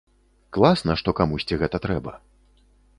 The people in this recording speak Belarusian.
Класна, што камусьці гэта трэба.